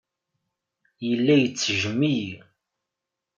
Yella ittejjem-iyi.